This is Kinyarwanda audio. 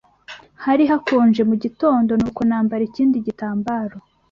Hari hakonje mugitondo, nuko nambara ikindi gitambaro